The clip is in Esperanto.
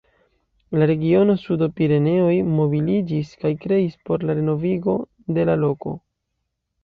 La Regiono Sudo-Pireneoj mobiliĝis kaj kreis por la renovigo de la loko.